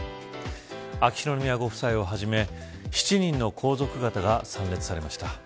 秋篠宮ご夫妻をはじめ７人の皇族方が参列されました。